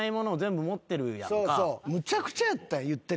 むちゃくちゃやった言ってること。